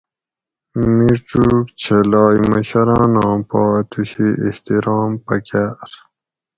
میچوک چھلائ مشراناں پا اتوشی احترام پکاۤر